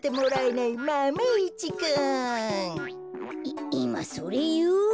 いいまそれいう？